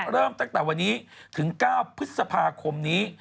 เริ่มตั้งแต่วันนี้ถึง๙พฤษภาคมนี้